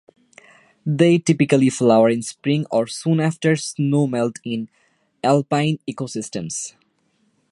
They typically flower in spring or soon after snow-melt in alpine eco-systems.